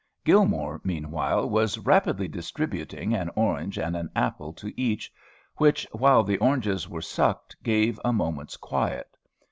Gilmore, meanwhile, was rapidly distributing an orange and an apple to each, which, while the oranges were sucked, gave a moment's quiet.